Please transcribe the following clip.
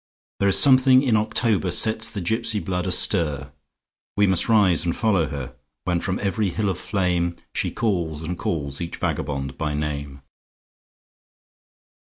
There is something in October sets the gypsy blood astir; We must rise and follow her, When from every hill of flameShe calls and calls each vagabond by name.